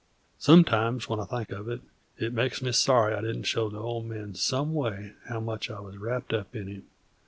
Sometimes, when I think of it, it makes me sorry that I didn't show the Old Man some way how much I wuz wrapped up in him.